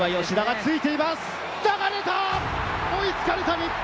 追いつかれた日本！